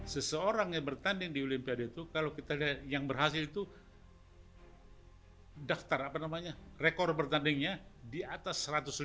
seseorang yang bertanding di olimpiade itu kalau kita lihat yang berhasil itu daftar apa namanya rekor bertandingnya di atas satu ratus lima puluh